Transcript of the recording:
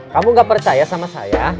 kamu gak percaya sama saya